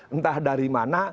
entah dari mana